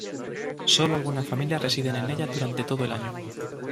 Sólo algunas familias residen en ellas durante todo el año.